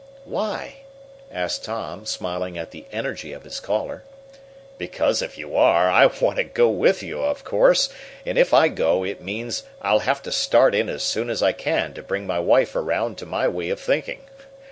"Why?" asked Tom, smiling at the energy of his caller. "Because if you are, I'll want to go with you, of course, and if I go it means I'll have to start in as soon as I can to bring my wife around to my way of thinking.